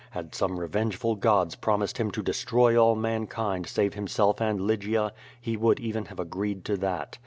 Had some revengeful gods promised him to destroy all mankind save himself and Lygia, he would even have agreed to that.